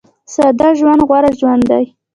ساده ژوند غوره ژوند دی